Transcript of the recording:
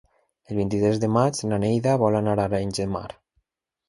El vint-i-tres de maig na Neida vol anar a Arenys de Mar.